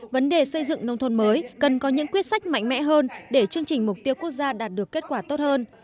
vấn đề xây dựng nông thôn mới cần có những quyết sách mạnh mẽ hơn để chương trình mục tiêu quốc gia đạt được kết quả tốt hơn